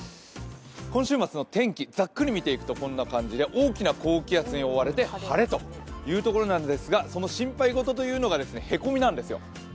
今週末の天気をざっくり見ていくとゃういう感じで大きな高気圧に囲まれて晴れということなんですがその心配事というのがへこみなんですよ。